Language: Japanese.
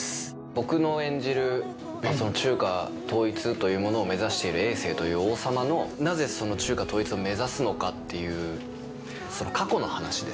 僕の演じる中華統一というものを目指している政という王様のなぜその中華統一を目指すのかっていうその過去の話ですね。